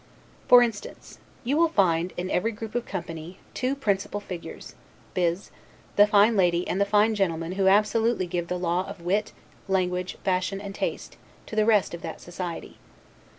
For instance: you will find, in every group of company, two principal figures, viz., the fine lady and the fine gentleman who absolutely give the law of wit, language, fashion, and taste, to the rest of that society.